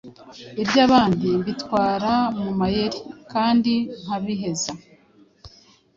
Ibyabandi mbitwara ku mayeri kandi nkabiheza.